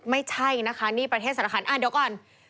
ไม่ใช่นะคะนี่ประเทศสารคันเดี๋ยวก่อน